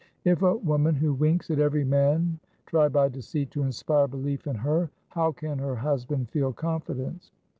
If a woman who winks at every man try by deceit to inspire belief in her, how can her husband feel confidence